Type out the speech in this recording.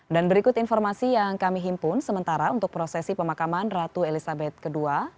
dan berikut informasi yang kami himpun sementara untuk prosesi pemakaman ratu elizabeth ii